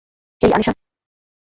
হেই, Anisha.